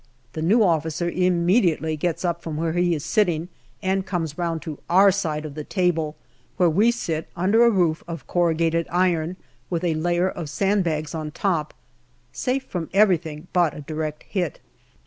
The new officer immediately gets up from where he is sitting and comes round to our side of the table, where we sit under a roof of corrugated iron with a layer of sand bags on top, safe from everything but a direct hit.